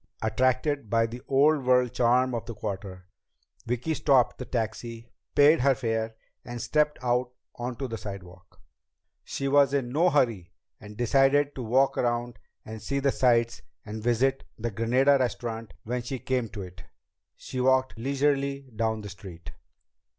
Attracted by the old world charm of the Quarter, Vicki stopped the taxi, paid her fare, and stepped out onto the sidewalk. She was in no hurry and decided to walk around and see the sights and visit the Granada Restaurant when she came to it! She walked leisurely down the street.